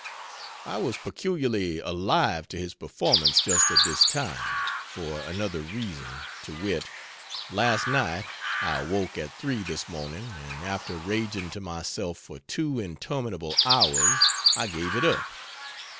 I was peculiarly alive to his performance just at this time, for another reason, to wit: Last night I awoke at 3 this morning, and after raging to my self for 2 interminable hours, I gave it up.